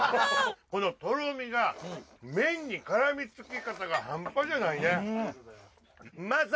このとろみが麺に絡みつき方がハンパじゃないね。